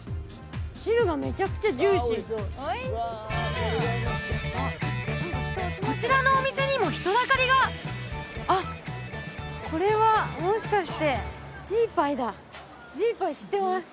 汁がめちゃくちゃジューシーこちらのお店にも人だかりがあっこれはもしかしてジーパイ知ってます